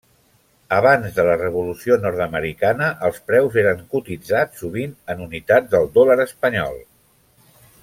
Abans de la revolució nord-americana, els preus eren cotitzats sovint en unitats del dòlar espanyol.